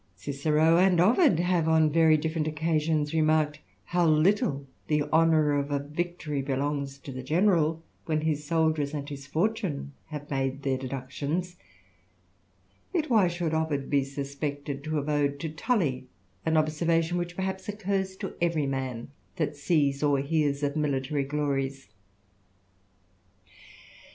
Cicero and Ovid have on very different occasioi remarked how little of the honour of a victory belongs t the general, when his soldiers and his fortune have mac their deductions ; yet why should Ovid be suspected to hai owed to 'Fully an observation which perhaps occurs to eveE===^ man that sees or hears of military glories